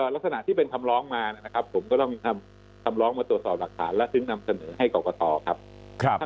ลักษณะที่เป็นทำล้องมานะครับ